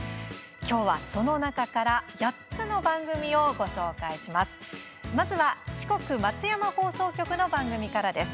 きょうは、その中から８つの番組をご紹介いたします。